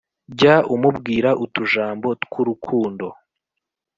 jya umubwira utujambo tw’urukundo